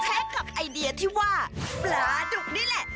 กับไอเดียที่ว่าปลาดุกนี่แหละ